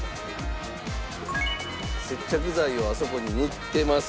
接着剤をあそこに塗ってます。